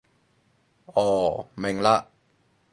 哦，明嘞